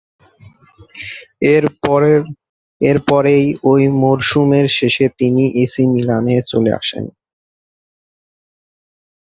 এরপরেই ওই মরসুমের শেষে তিনি এ সি মিলানে চলে আসেন।